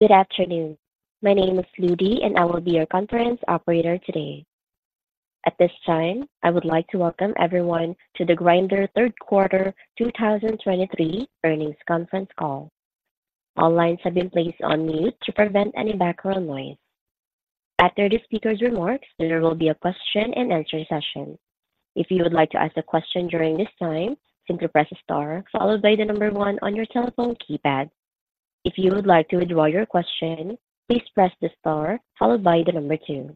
Good afternoon. My name is Ludy, and I will be your conference operator today. At this time, I would like to welcome everyone to the Grindr Third Quarter 2023 Earnings Conference Call. All lines have been placed on mute to prevent any background noise. After the speaker's remarks, there will be a question and answer session. If you would like to ask a question during this time, simply press star followed by the number one on your telephone keypad. If you would like to withdraw your question, please press the star followed by the number two.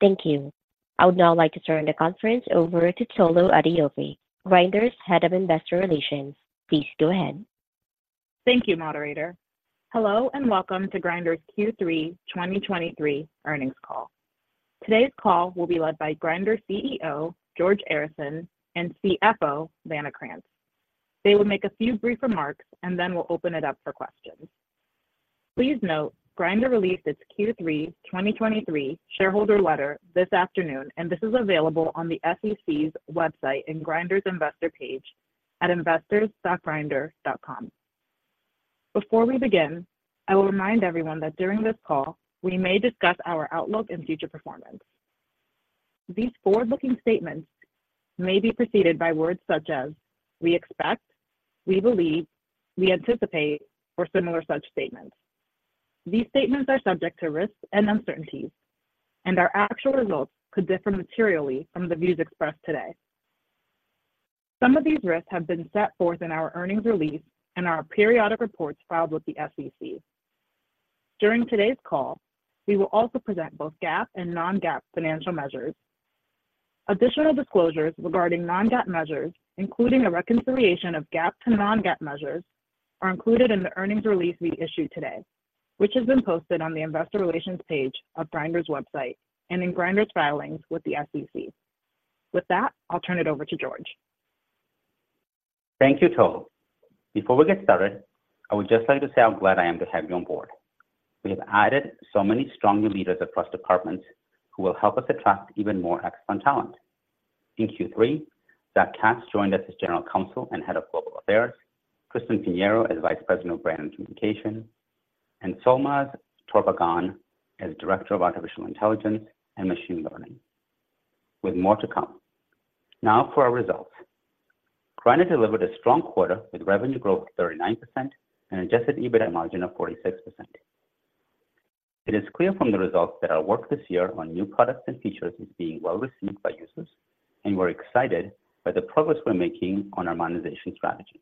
Thank you. I would now like to turn the conference over to Tolu Adeofe, Grindr's Head of Investor Relations. Please go ahead. Thank you, moderator. Hello, and welcome to Grindr's Q3 2023 earnings call. Today's call will be led by Grindr CEO, George Arison, and CFO, Vanna Krantz. They will make a few brief remarks, and then we'll open it up for questions. Please note, Grindr released its Q3 2023 shareholder letter this afternoon, and this is available on the SEC's website in Grindr's investor page at investors.grindr.com. Before we begin, I will remind everyone that during this call, we may discuss our outlook and future performance. These forward-looking statements may be preceded by words such as "we expect," "we believe," "we anticipate," or similar such statements. These statements are subject to risks and uncertainties, and our actual results could differ materially from the views expressed today. Some of these risks have been set forth in our earnings release and our periodic reports filed with the SEC. During today's call, we will also present both GAAP and non-GAAP financial measures. Additional disclosures regarding non-GAAP measures, including a reconciliation of GAAP to non-GAAP measures, are included in the earnings release we issued today, which has been posted on the investor relations page of Grindr's website and in Grindr's filings with the SEC. With that, I'll turn it over to George. Thank you, Tolu. Before we get started, I would just like to say how glad I am to have you on board. We have added so many stronger leaders across departments who will help us attract even more excellent talent. In Q3, Zac Katz joined us as General Counsel and Head of Global Affairs, Tristan Pineiro as Vice President of Brand and Communications, and Solmaz Torbaghan as Director of Artificial Intelligence and Machine Learning, with more to come. Now for our results. Grindr delivered a strong quarter with revenue growth of 39% and adjusted EBITDA margin of 46%. It is clear from the results that our work this year on new products and features is being well received by users, and we're excited by the progress we're making on our monetization strategy.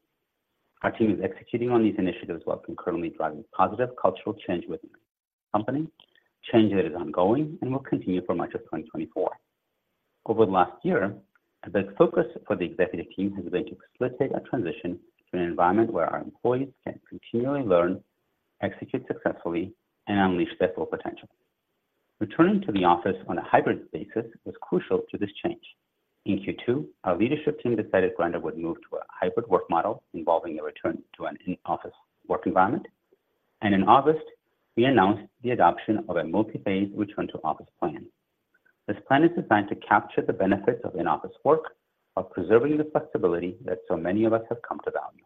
Our team is executing on these initiatives while concurrently driving positive cultural change within the company, change that is ongoing and will continue for much of 2024. Over the last year, the focus for the executive team has been to facilitate a transition to an environment where our employees can continually learn, execute successfully, and unleash their full potential. Returning to the office on a hybrid basis was crucial to this change. In Q2, our leadership team decided Grindr would move to a hybrid work model involving a return to an in-office work environment, and in August, we announced the adoption of a multi-phase return to office plan. This plan is designed to capture the benefits of in-office work while preserving the flexibility that so many of us have come to value.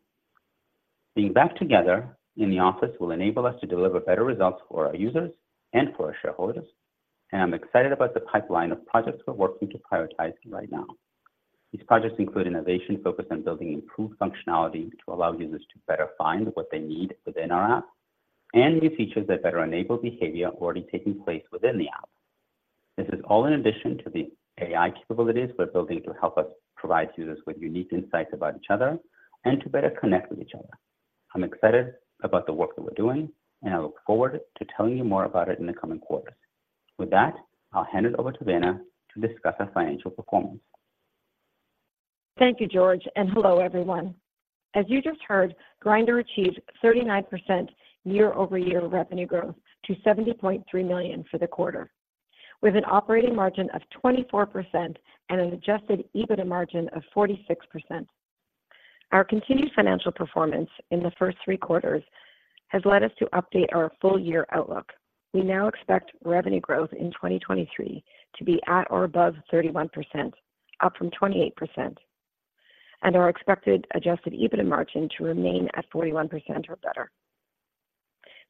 Being back together in the office will enable us to deliver better results for our users and for our shareholders, and I'm excited about the pipeline of projects we're working to prioritize right now. These projects include innovation focused on building improved functionality to allow users to better find what they need within our app, and new features that better enable behavior already taking place within the app. This is all in addition to the AI capabilities we're building to help us provide users with unique insights about each other and to better connect with each other. I'm excited about the work that we're doing, and I look forward to telling you more about it in the coming quarters. With that, I'll hand it over to Vanna to discuss our financial performance. Thank you, George, and hello, everyone. As you just heard, Grindr achieved 39% year-over-year revenue growth to $70.3 million for the quarter, with an operating margin of 24% and an adjusted EBITDA margin of 46%. Our continued financial performance in the first three quarters has led us to update our full-year outlook. We now expect revenue growth in 2023 to be at or above 31%, up from 28%, and our expected adjusted EBITDA margin to remain at 41% or better.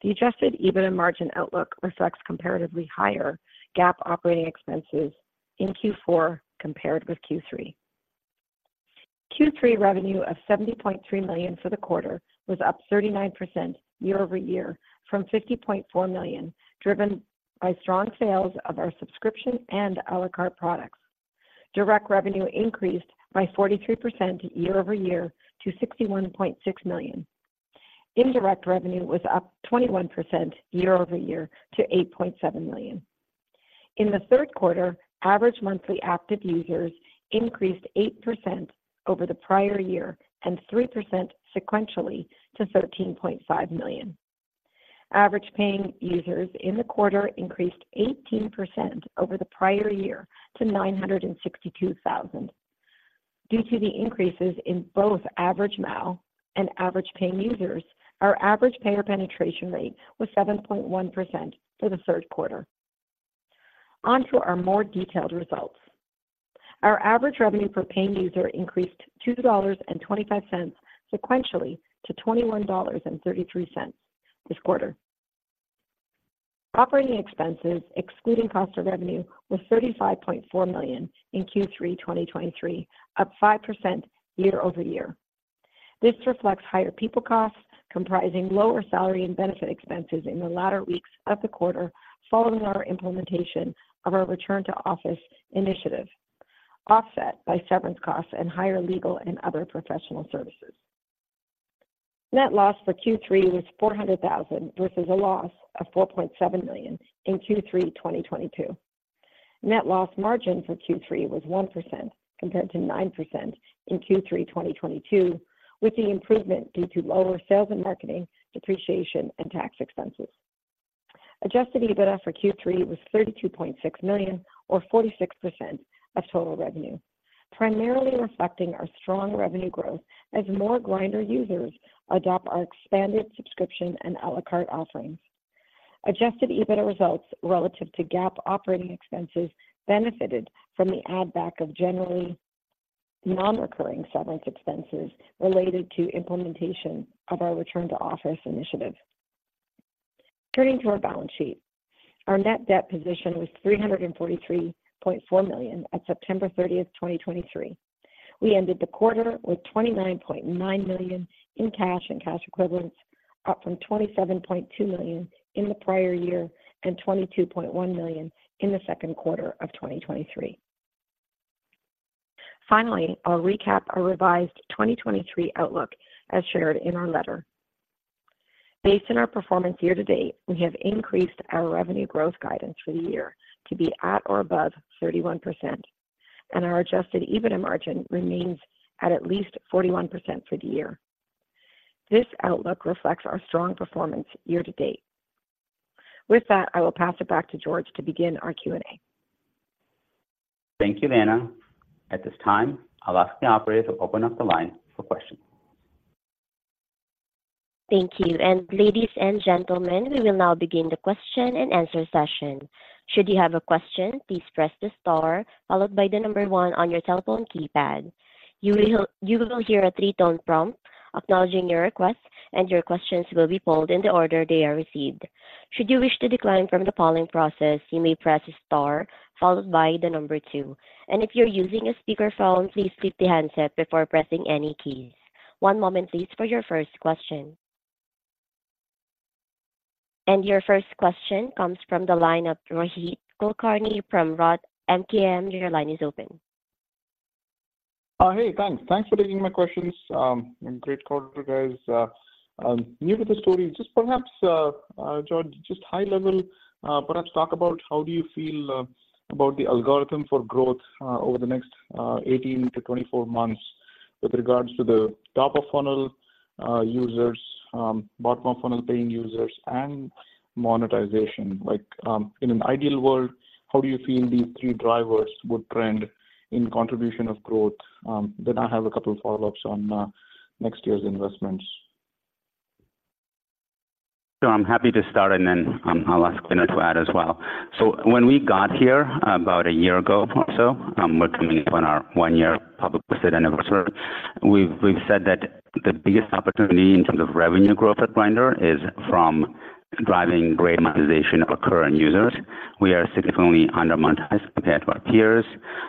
The adjusted EBITDA margin outlook reflects comparatively higher GAAP operating expenses in Q4 compared with Q3. Q3 revenue of $70.3 million for the quarter was up 39% year-over-year from $50.4 million, driven by strong sales of our subscription and à la carte products. Direct revenue increased by 43% year-over-year to $61.6 million. Indirect revenue was up 21% year-over-year to $8.7 million. In the third quarter, average monthly active users increased 8% over the prior year and 3% sequentially to 13.5 million. Average paying users in the quarter increased 18% over the prior year to 962,000. Due to the increases in both average MAU and average paying users, our average payer penetration rate was 7.1% for the third quarter. On to our more detailed results. Our average revenue per paying user increased to $2.25 sequentially to $21.33 this quarter. Operating expenses, excluding cost of revenue, was $35.4 million in Q3 2023, up 5% year-over-year. This reflects higher people costs, comprising lower salary and benefit expenses in the latter weeks of the quarter, following our implementation of our return to office initiative, offset by severance costs and higher legal and other professional services. Net loss for Q3 was $400,000, versus a loss of $4.7 million in Q3 2022. Net loss margin for Q3 was 1%, compared to 9% in Q3 2022, with the improvement due to lower sales and marketing, depreciation, and tax expenses. Adjusted EBITDA for Q3 was $32.6 million, or 46% of total revenue, primarily reflecting our strong revenue growth as more Grindr users adopt our expanded subscription and à la carte offerings. Adjusted EBITDA results relative to GAAP operating expenses benefited from the add-back of generally non-recurring severance expenses related to implementation of our return to office initiative. Turning to our balance sheet. Our net debt position was $343.4 million at September 30, 2023. We ended the quarter with $29.9 million in cash and cash equivalents, up from $27.2 million in the prior year and $22.1 million in the second quarter of 2023. Finally, I'll recap our revised 2023 outlook as shared in our letter. Based on our performance year to date, we have increased our revenue growth guidance for the year to be at or above 31%, and our adjusted EBITDA margin remains at least 41% for the year. This outlook reflects our strong performance year to date. With that, I will pass it back to George to begin our Q&A. Thank you, Vanna. At this time, I'll ask the operator to open up the line for questions. Thank you. Ladies and gentlemen, we will now begin the question and answer session. Should you have a question, please press the star followed by the number one on your telephone keypad. You will hear a three-tone prompt acknowledging your request, and your questions will be polled in the order they are received. Should you wish to decline from the polling process, you may press star followed by the number two. If you're using a speakerphone, please click the handset before pressing any keys. One moment, please, for your first question. Your first question comes from the line of Rohit Kulkarni from Roth MKM. Your line is open. Hey, thanks. Thanks for taking my questions. Great call, you guys. New to the story, just perhaps, George, just high level, perhaps talk about how do you feel about the algorithm for growth over the next 18-24 months with regards to the top of funnel users, bottom of funnel paying users, and monetization? Like, in an ideal world, how do you feel these three drivers would trend in contribution of growth? Then I have a couple of follow-ups on next year's investments. So I'm happy to start, and then I'll ask Vanna to add as well. So when we got here about a year ago or so, we're coming up on our one-year public listed anniversary. We've said that the biggest opportunity in terms of revenue growth at Grindr is from driving great monetization of our current users. We are significantly under monetized compared to our peers.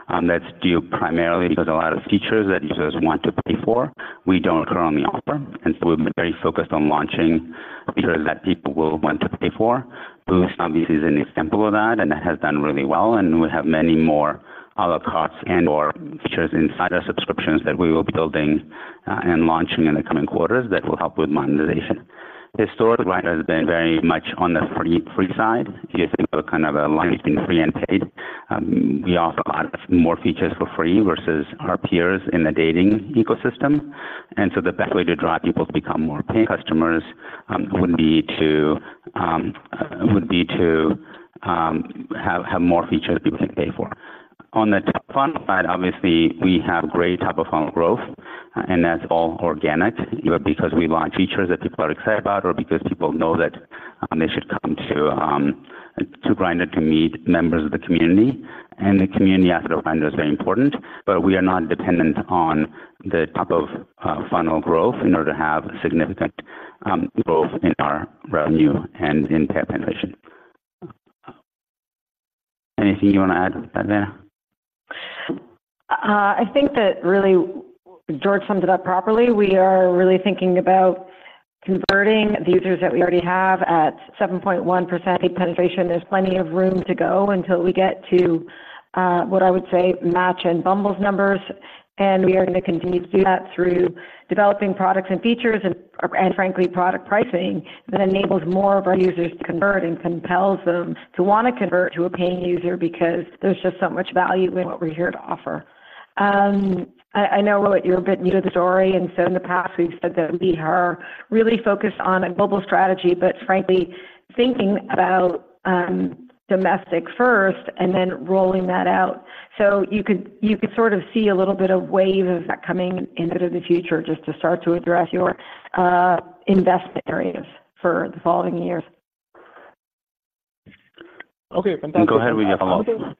That's due primarily because a lot of features that users want to pay for, we don't currently offer, and so we've been very focused on launching features that people will want to pay for. Boost, obviously, is an example of that, and that has done really well, and we have many more à la carte and/or features inside our subscriptions that we will be building and launching in the coming quarters that will help with monetization. Historically, Grindr has been very much on the free, free side. If you think of a kind of a line between free and paid, we offer a lot more features for free versus our peers in the dating ecosystem. And so the best way to drive people to become more paying customers would be to have more features that people can pay for. On the top funnel side, obviously, we have great top of funnel growth, and that's all organic, either because we launch features that people are excited about or because people know that they should come to Grindr to meet members of the community. The community aspect of Grindr is very important, but we are not dependent on the top of funnel growth in order to have significant growth in our revenue and in paid penetration. Anything you want to add to that, Vanna? I think that really George summed it up properly. We are really thinking about converting the users that we already have at 7.1% penetration. There's plenty of room to go until we get to what I would say, Match and Bumble's numbers. And we are going to continue to do that through developing products and features and frankly, product pricing that enables more of our users to convert and compels them to want to convert to a paying user because there's just so much value in what we're here to offer. I know, Rohit, you're a bit new to the story, and so in the past, we've said that we are really focused on a global strategy, but frankly, thinking about domestic first and then rolling that out. So you could, you could sort of see a little bit of wave of that coming into the future just to start to address your investment areas for the following years. Okay, fantastic. Go ahead with your follow-up.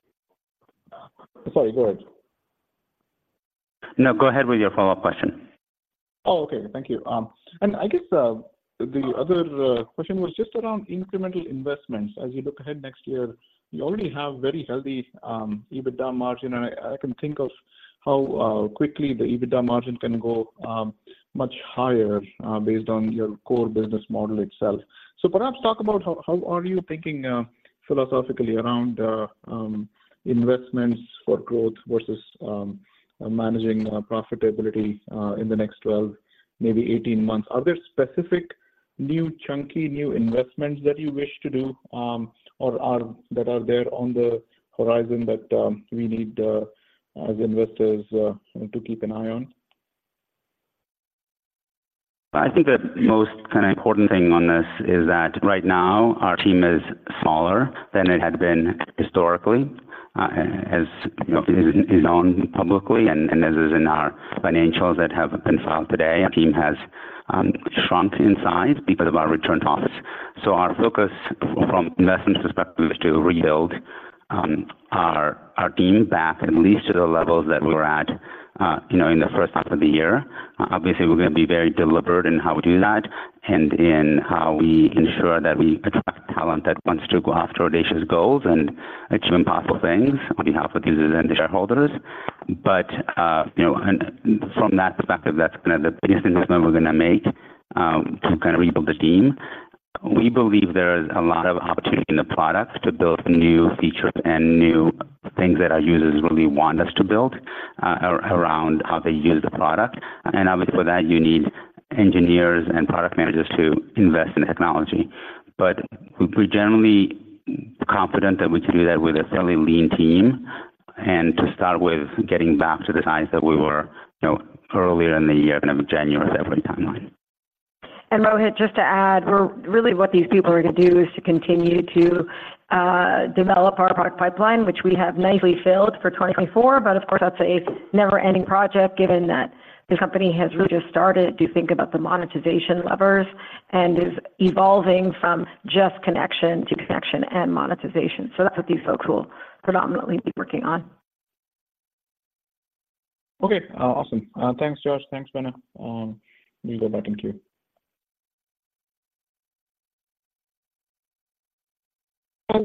Sorry, go ahead. No, go ahead with your follow-up question. Oh, okay. Thank you. And I guess the other question was just around incremental investments. As you look ahead next year, you already have very healthy EBITDA margin, and I can think of how quickly the EBITDA margin can go much higher based on your core business model itself. So perhaps talk about how are you thinking philosophically around investments for growth versus managing profitability in the next 12, maybe 18 months. Are there specific new chunky new investments that you wish to do, or that are there on the horizon that we need as investors to keep an eye on? I think the most kind of important thing on this is that right now our team is smaller than it had been historically, as is known publicly and as is in our financials that have been filed today, our team has shrunk in size because of our return to office. So our focus from investment perspective is to rebuild our team back at least to the levels that we were at, you know, in the first half of the year. Obviously, we're going to be very deliberate in how we do that and in how we ensure that we attract talent that wants to go after audacious goals and achieve impossible things on behalf of users and shareholders. But you know, and from that perspective, that's kind of the biggest investment we're gonna make to kind of rebuild the team. We believe there is a lot of opportunity in the product to build new features and new things that our users really want us to build, around how they use the product. And obviously, for that, you need engineers and product managers to invest in technology. But we're generally confident that we can do that with a fairly lean team, and to start with getting back to the size that we were, you know, earlier in the year, kind of January timeframe. And Rohit, just to add, we're really what these people are going to do is to continue to develop our product pipeline, which we have nicely filled for 2024. But of course, that's a never-ending project, given that the company has really just started to think about the monetization levers and is evolving from just connection to connection and monetization. So that's what these folks will predominantly be working on. Okay, awesome. Thanks, George. Thanks, Vanna. We'll go back in queue.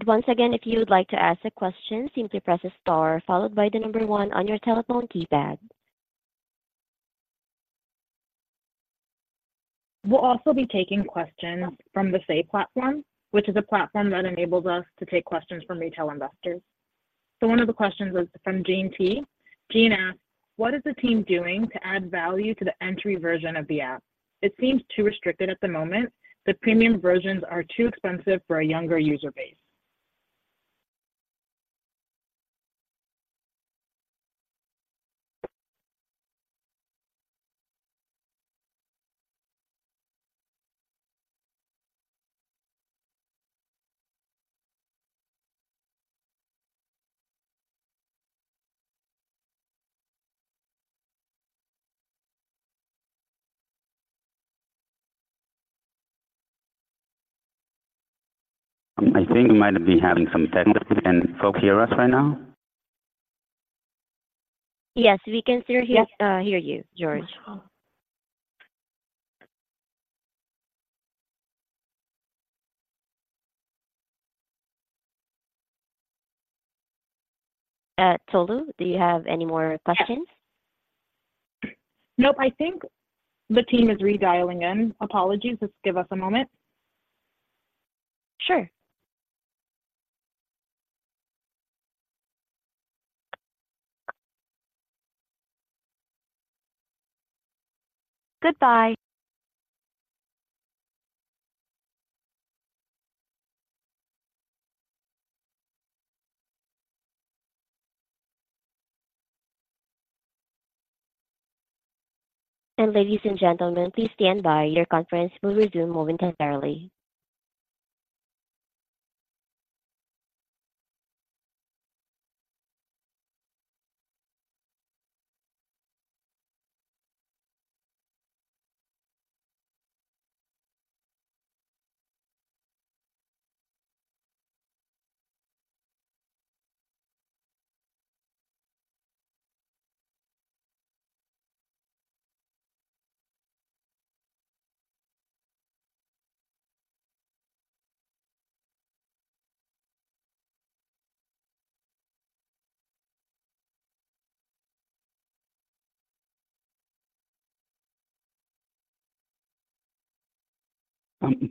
Once again, if you would like to ask a question, simply press star, followed by the number one on your telephone keypad. We'll also be taking questions from the Say platform, which is a platform that enables us to take questions from retail investors. So one of the questions was from Gene T. Gene asks: "What is the team doing to add value to the entry version of the app? It seems too restricted at the moment. The premium versions are too expensive for a younger user base. I think we might have been having some technical. Can folks hear us right now? Yes, we can still hear, hear you, George. Tolu, do you have any more questions? Nope. I think the team is redialing in. Apologies, just give us a moment. Sure. Goodbye. Ladies and gentlemen, please stand by. Your conference will resume momentarily.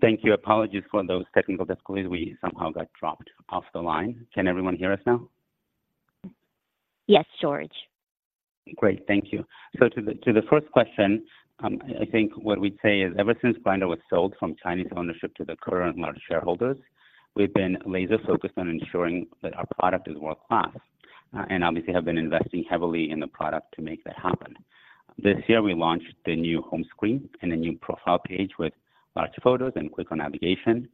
Thank you. Apologies for those technical difficulties. We somehow got dropped off the line. Can everyone hear us now? Yes, George. Great. Thank you. So to the first question, I think what we'd say is ever since Grindr was sold from Chinese ownership to the current large shareholders, we've been laser-focused on ensuring that our product is world-class, and obviously have been investing heavily in the product to make that happen. This year, we launched the new home screen and a new profile page with large photos and quicker navigation.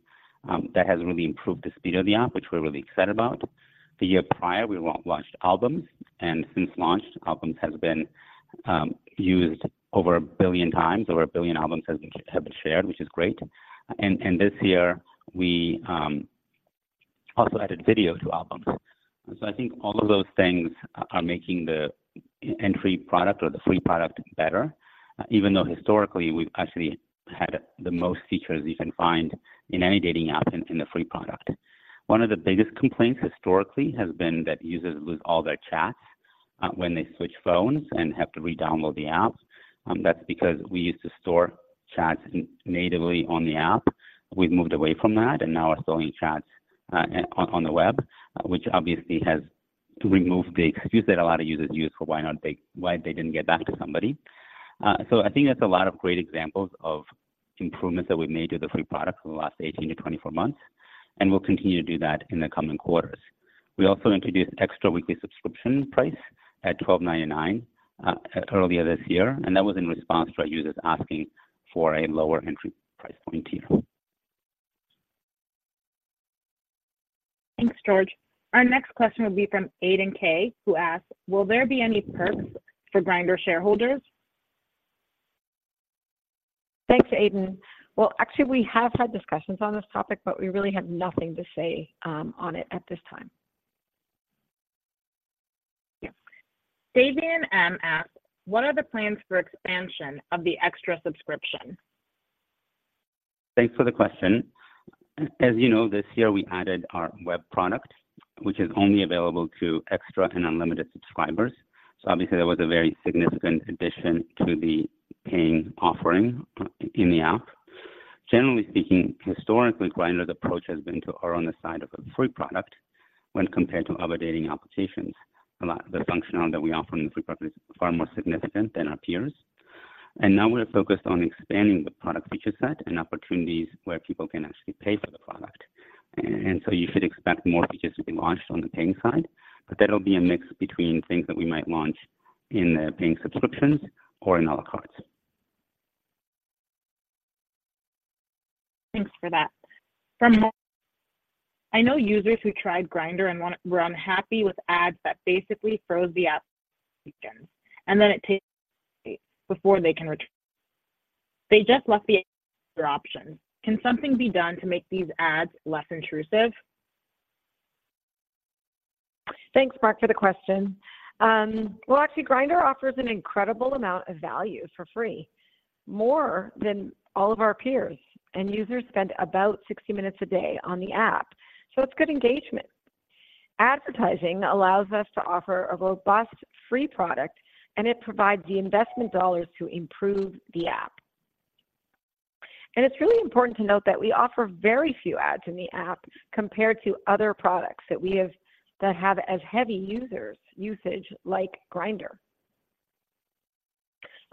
That has really improved the speed of the app, which we're really excited about. The year prior, we launched Albums, and since launch, Albums has been used over 1 billion times. Over 1 billion albums have been shared, which is great. And this year, we also added video to Albums. And so I think all of those things are making the entry product or the free product better, even though historically we've actually had the most features you can find in any dating app in the free product. One of the biggest complaints historically has been that users lose all their chats when they switch phones and have to redownload the app. That's because we used to store chats natively on the app. We've moved away from that and now are storing chats on the web, which obviously has removed the excuse that a lot of users use for why they didn't get back to somebody. So, I think that's a lot of great examples of improvements that we've made to the free product in the last 18-24 months, and we'll continue to do that in the coming quarters. We also introduced an XTRA Weekly subscription price at $12.99 earlier this year, and that was in response to our users asking for a lower entry price point. Thanks, George. Our next question will be from Aiden K, who asks: Will there be any perks for Grindr shareholders? Thanks, Aiden. Well, actually, we have had discussions on this topic, but we really have nothing to say on it at this time. Yeah. Fabian M asks: What are the plans for expansion of the XTRA subscription? Thanks for the question. As you know, this year, we added our web product, which is only available to XTRA and Unlimited subscribers. So obviously, that was a very significant addition to the paying offering in the app. Generally speaking, historically, Grindr's approach has been to err on the side of a free product when compared to other dating applications. The functionality that we offer in the free product is far more significant than our peers. And now we're focused on expanding the product feature set and opportunities where people can actually pay for the product. And so you should expect more features to be launched on the paying side, but that'll be a mix between things that we might launch in the paying subscriptions or in à la carte. Thanks for that. From Mark: I know users who tried Grindr and wanted-- were unhappy with ads that basically froze the app, and then it takes before they can return. They just left the app as their option. Can something be done to make these ads less intrusive? Thanks, Mark, for the question. Well, actually, Grindr offers an incredible amount of value for free, more than all of our peers, and users spend about 60 minutes a day on the app. So it's good engagement. Advertising allows us to offer a robust free product, and it provides the investment dollars to improve the app. And it's really important to note that we offer very few ads in the app compared to other products that have as heavy user usage like Grindr.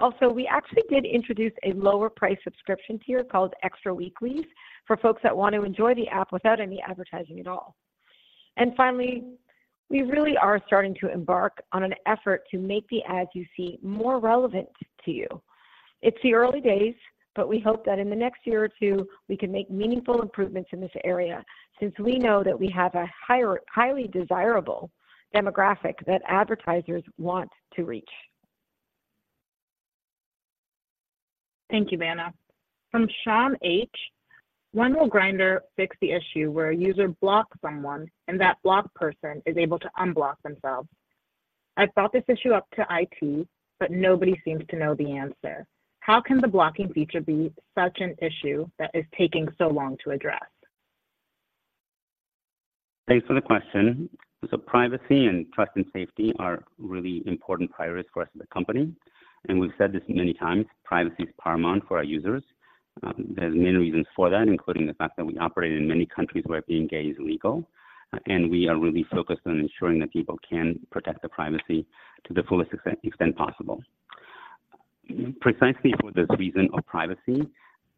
Also, we actually did introduce a lower price subscription tier called XTRA Weekly for folks that want to enjoy the app without any advertising at all. And finally, we really are starting to embark on an effort to make the ads you see more relevant to you. It's the early days, but we hope that in the next year or two, we can make meaningful improvements in this area, since we know that we have a highly desirable demographic that advertisers want to reach. Thank you, Vanna. From Sean H: When will Grindr fix the issue where a user blocks someone and that blocked person is able to unblock themselves? I've brought this issue up to IT, but nobody seems to know the answer. How can the blocking feature be such an issue that is taking so long to address? Thanks for the question. So privacy and trust and safety are really important priorities for us as a company, and we've said this many times, privacy is paramount for our users. There's many reasons for that, including the fact that we operate in many countries where being gay is illegal, and we are really focused on ensuring that people can protect their privacy to the fullest extent possible. Precisely for this reason of privacy,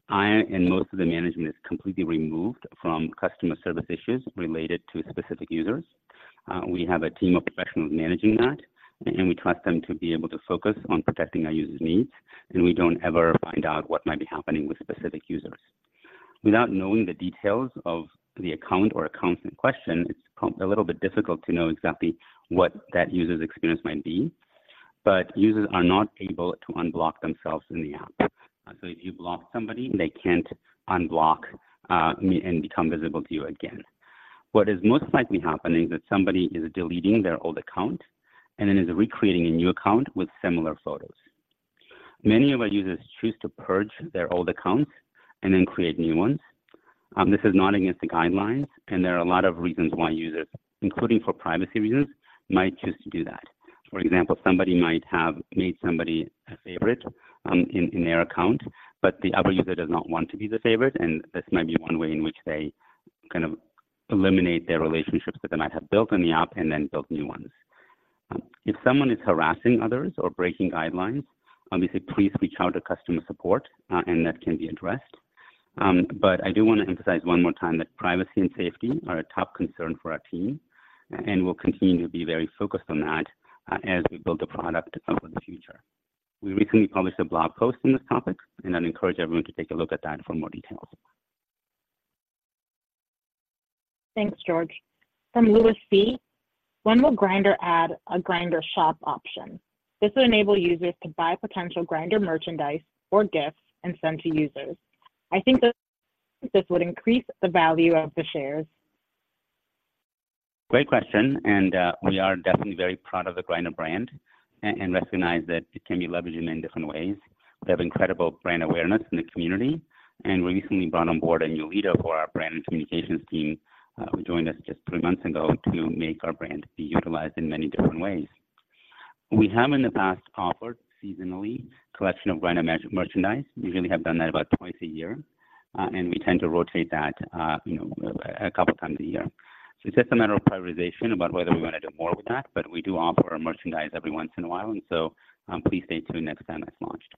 I and most of the management is completely removed from customer service issues related to specific users. We have a team of professionals managing that, and we trust them to be able to focus on protecting our users' needs, and we don't ever find out what might be happening with specific users. Without knowing the details of the account or accounts in question, it's a little bit difficult to know exactly what that user's experience might be, but users are not able to unblock themselves in the app. So if you block somebody, they can't unblock me and become visible to you again. What is most likely happening is that somebody is deleting their old account and then is recreating a new account with similar photos. Many of our users choose to purge their old accounts and then create new ones. This is not against the guidelines, and there are a lot of reasons why users, including for privacy reasons, might choose to do that. For example, somebody might have made somebody a favorite, in their account, but the other user does not want to be the favorite, and this might be one way in which they kind of eliminate their relationships that they might have built in the app and then build new ones. If someone is harassing others or breaking guidelines, obviously please reach out to customer support, and that can be addressed. But I do want to emphasize one more time that privacy and safety are a top concern for our team, and we'll continue to be very focused on that, as we build the product for the future.... We recently published a blog post on this topic, and I'd encourage everyone to take a look at that for more details. Thanks, George. From Lewis C: When will Grindr add a Grindr shop option? This will enable users to buy potential Grindr merchandise or gifts and send to users. I think this would increase the value of the shares. Great question, and we are definitely very proud of the Grindr brand and recognize that it can be leveraged in many different ways. We have incredible brand awareness in the community, and we recently brought on board a new leader for our brand and communications team, who joined us just three months ago to make our brand be utilized in many different ways. We have in the past offered seasonally, collection of Grindr merchandise. We usually have done that about twice a year, and we tend to rotate that, you know, a couple times a year. So it's just a matter of prioritization about whether we want to do more with that, but we do offer our merchandise every once in a while, and so, please stay tuned next time it's launched.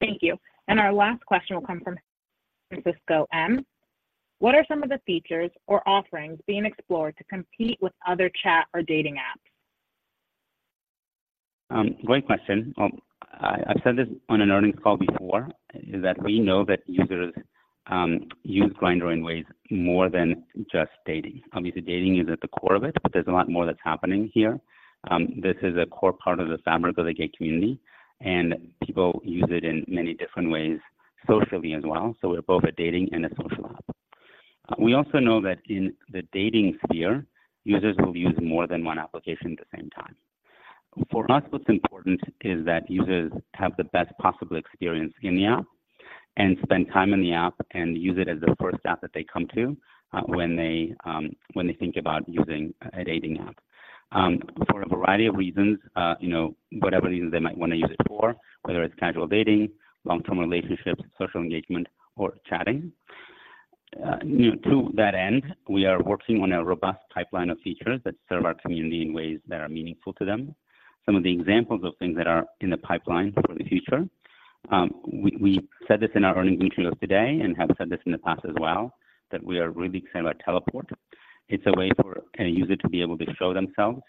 Thank you. Our last question will come from Francisco M. What are some of the features or offerings being explored to compete with other chat or dating apps? Great question. I’ve said this on an earnings call before, is that we know that users use Grindr in ways more than just dating. Obviously, dating is at the core of it, but there’s a lot more that’s happening here. This is a core part of the fabric of the gay community, and people use it in many different ways, socially as well. So we’re both a dating and a social app. We also know that in the dating sphere, users will use more than one application at the same time. For us, what’s important is that users have the best possible experience in the app and spend time in the app and use it as the first app that they come to, when they think about using a dating app. For a variety of reasons, you know, whatever reasons they might wanna use it for, whether it's casual dating, long-term relationships, social engagement, or chatting. You know, to that end, we are working on a robust pipeline of features that serve our community in ways that are meaningful to them. Some of the examples of things that are in the pipeline for the future, we said this in our earnings materials today and have said this in the past as well, that we are really excited about Teleport. It's a way for a user to be able to show themselves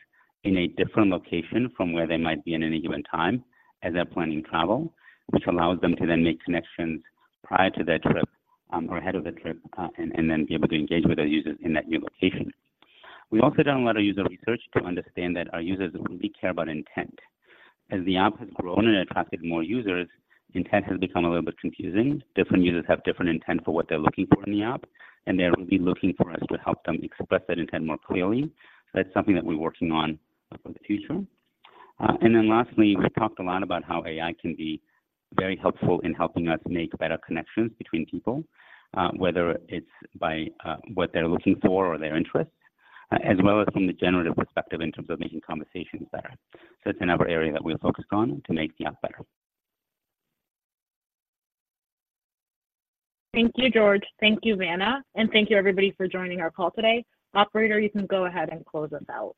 in a different location from where they might be in any given time as they're planning travel, which allows them to then make connections prior to their trip, or ahead of the trip, and then be able to engage with the users in that new location. We've also done a lot of user research to understand that our users really care about intent. As the app has grown and attracted more users, intent has become a little bit confusing. Different users have different intent for what they're looking for in the app, and they're really looking for us to help them express that intent more clearly. So that's something that we're working on for the future. And then lastly, we talked a lot about how AI can be very helpful in helping us make better connections between people, whether it's by what they're looking for or their interests, as well as from the generative perspective in terms of making conversations better. So it's another area that we are focused on to make the app better. Thank you, George. Thank you, Vanna, and thank you, everybody, for joining our call today. Operator, you can go ahead and close us out.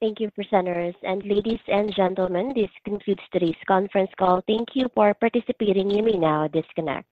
Thank you, presenters. Ladies and gentlemen, this concludes today's conference call. Thank you for participating. You may now disconnect.